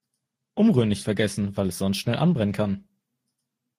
Umrühren nicht vergessen, weil es sonst schnell anbrennen kann.